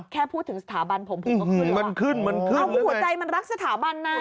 แค่พูดถึงสถาบันผมผมก็คิดว่ามันรักสถาบันใน